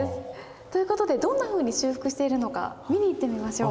という事でどんなふうに修復しているのか見に行ってみましょう。